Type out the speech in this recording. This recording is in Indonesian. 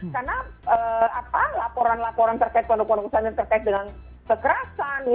karena laporan laporan terkait pondok pondok pesantren terkait dengan kekerasan